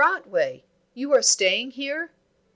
Otway! You are staying here?"